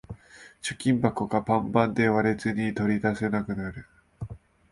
貯金箱がパンパンで割れずに取り出せなくなる